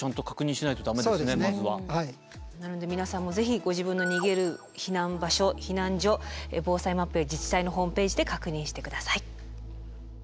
なので皆さんも是非ご自分の逃げる避難場所避難所防災マップや自治体のホームページで確認してください。